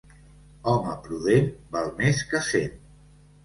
Home prudent val més que cent.